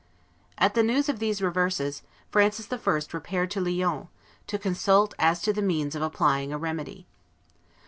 At the news of these reverses, Francis I. repaired to Lyons, to consult as to the means of applying a remedy.